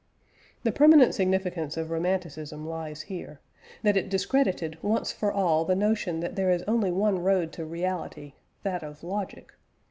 The permanent significance of Romanticism lies here: That it discredited once for all the notion that there is only one road to reality that of logic.